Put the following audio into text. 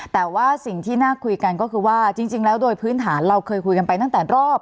แต่ว่าสิ่งที่น่าคุยกันก็คือว่าจริงแล้วโดยพื้นฐานเราเคยคุยกันไปตั้งแต่รอบ